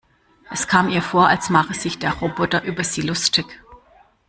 Es kam ihr vor, als machte sich der Roboter über sie lustig.